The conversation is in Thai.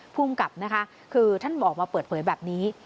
ภูมิกับนะคะคือท่านออกมาเปิดเผยแบบนี้